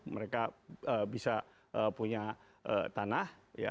mereka bisa punya tanah